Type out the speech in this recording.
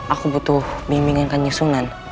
aku butuh bimbingan ke nyusunan